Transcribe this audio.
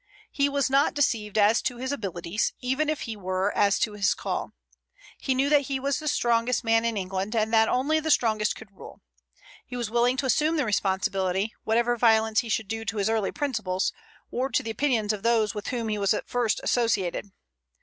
He was not deceived as to his abilities, even if he were as to his call. He knew he was the strongest man in England, and that only the strongest could rule. He was willing to assume the responsibility, whatever violence he should do to his early principles, or to the opinions of those with whom he was at first associated.